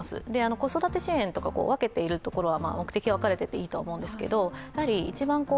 子育て支援と分けているところは目的が分かれてていいと思うんですけど一番